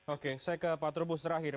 oke saya ke pak trubus terakhir